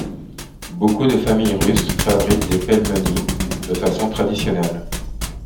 Beaucoup de familles russes fabriquent des pelmeni de façon traditionnelle.